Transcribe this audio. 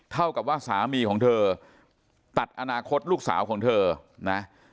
เท่ากับว่าสามีของเธอตัดอนาคตลูกสาวของเธอนะ